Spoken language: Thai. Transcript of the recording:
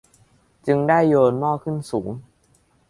จึงได้โยนหม้อขึ้นสูง